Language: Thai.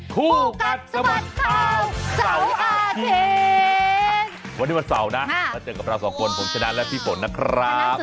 คู่กัดสะบัดข่าวเสาร์อาทิตย์วันนี้วันเสาร์นะมาเจอกับเราสองคนผมชนะและพี่ฝนนะครับ